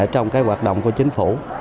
trong cái hoạt động của chính phủ